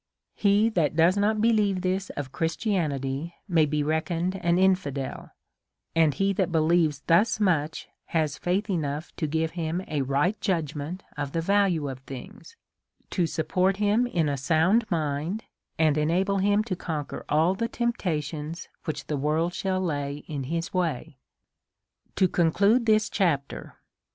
He that does not believe this of Christianity may be reckoned an infidel ; and he that believes thus much has faith enough to give him a right judgment of the value of things, to support him in a sound mind, and enable him to conquer all the temptations which the workl sliiill lay in his way. To conclude this chapter.